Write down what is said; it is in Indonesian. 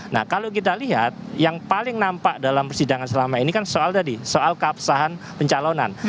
nah kalau kita lihat yang paling nampak dalam persidangan selama ini kan soal tadi soal keabsahan pencalonan